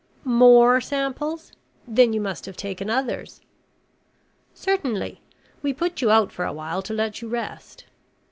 "More samples? Then you must have taken others." "Certainly. We put you out for a while to let you rest."